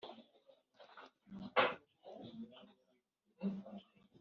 n inyandiko z ishingwa ry isosiyete n iri tegeko